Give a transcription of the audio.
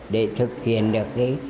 để thực hiện được cái